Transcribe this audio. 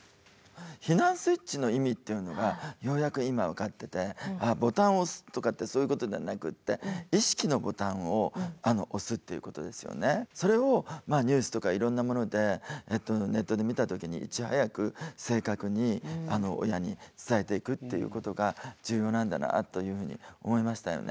避難スイッチの意味っていうのがようやく今分かっててボタンを押すとかってそういうことではなくてそれをニュースとかいろんなものでネットで見た時にいち早く正確に親に伝えていくっていうことが重要なんだなというふうに思いましたよね。